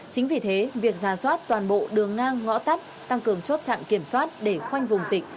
chính vì thế việc ra soát toàn bộ đường ngang ngõ tắt tăng cường chốt chặn kiểm soát để khoanh vùng dịch